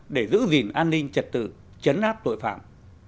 để giữ gìn an ninh trật tự chấn áp tội phạm